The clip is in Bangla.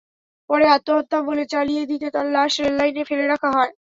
পরে আত্মহত্যা বলে চালিয়ে দিতে তাঁর লাশ রেললাইনে ফেলে রাখা হয়।